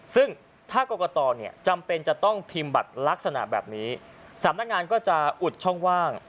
ซึ่งถ้ากรกตจำเป็นจะต้องพิมพ์บัตรลักษณะแบบนี้สำนักงานก็จะอุดช่องว่าง